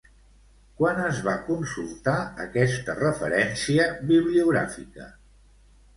Quan es va consultar aquesta referència bibliogràfica?